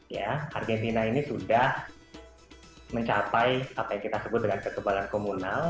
ya argentina ini sudah mencapai apa yang kita sebut dengan kekebalan komunal